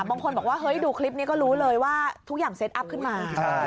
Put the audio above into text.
บางคนบอกว่าเฮ้ยดูคลิปนี้ก็รู้เลยว่าทุกอย่างเซตอัพขึ้นมา